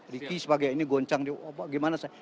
riki sebagai ini goncang gimana saya